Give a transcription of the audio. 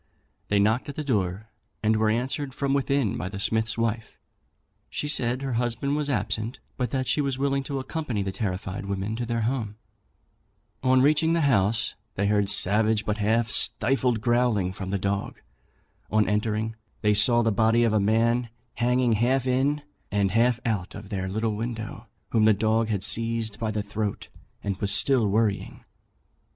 They knocked at the door, and were answered from within by the smith's wife. She said her husband was absent, but that she was willing to accompany the terrified women to their home. On reaching the house, they heard a savage but half stifled growling from the dog. On entering they saw the body of a man hanging half in and half out of their little window, whom the dog had seized by the throat, and was still worrying.